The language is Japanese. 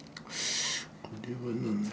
これは何だ？